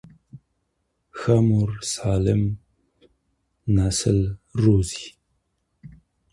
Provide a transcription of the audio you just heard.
ښه مور سالم نسل روزي.